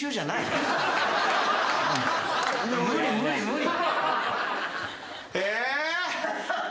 無理無理無理。